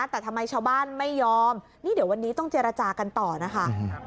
แต่ทำไมชาวบ้านไม่ยอมนี่เดี๋ยววันนี้ต้องเจรจากันต่อนะคะ